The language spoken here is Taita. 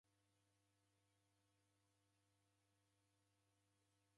Na manu ikumi na aw'i.